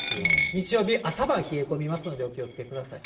日曜日、朝晩冷え込みますのでお気をつけください。